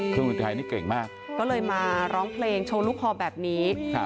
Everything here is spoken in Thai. เครื่องบินไทยนี่เก่งมากก็เลยมาร้องเพลงโชว์ลูกคอแบบนี้